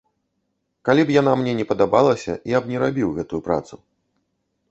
Калі б яна мне не падабалася, я б не рабіў гэтую працу.